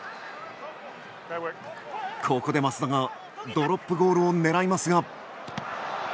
ここで松田がドロップゴールを狙いますが。